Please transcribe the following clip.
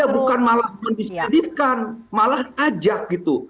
ya bukan malah mendisedikan malah ajak gitu